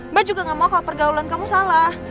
mbak juga gak mau kalau pergaulan kamu salah